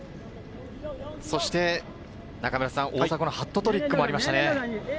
そして大迫のハットトリックもありましたね。